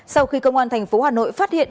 sau khi công an thành phố hà nội phát hiện